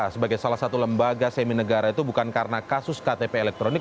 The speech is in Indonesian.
sebagai salah satu lembaga semi negara itu bukan karena kasus ktp elektronik